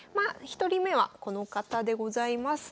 １人目はこの方でございます。